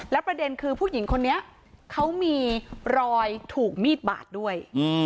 ประเด็นคือผู้หญิงคนนี้เขามีรอยถูกมีดบาดด้วย